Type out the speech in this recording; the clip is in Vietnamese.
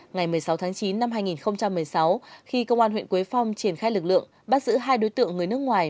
ngày một mươi sáu tháng chín năm hai nghìn một mươi sáu khi công an huyện quế phong triển khai lực lượng bắt giữ hai đối tượng người nước ngoài